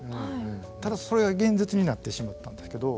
ただそれが現実になってしまったんですけど。